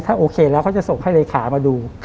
โอเคแล้วเขาจะส่งให้เลขามาดู